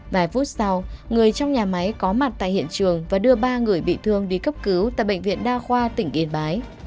vài phút sau người trong nhà máy có mặt tại hiện trường và đưa ba người bị thương đi cấp cứu tại bệnh viện đa khoa tỉnh yên bái